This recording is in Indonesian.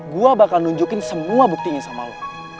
gue bakal nunjukin semua buktinya sama lo